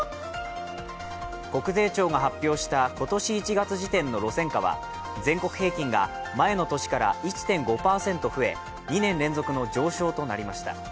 国税庁が発表した今年１月時点の路線価は全国平均が前の年から１．５％増え２年連続の上昇となりました。